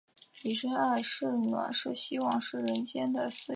韩弘人。